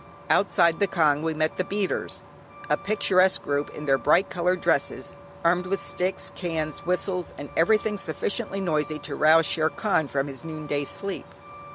Outside the kyaung we met the beaters; a picturesque group in their bright coloured dresses, armed with sticks, cans, whistles, and everything sufficiently noisy to rouse "Shere Khan" from his noonday sleep.